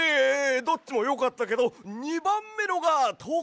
どっちもよかったけど２ばんめのがとくにいい！